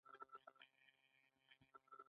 د ماشوم د هډوکو لپاره څه شی ورکړم؟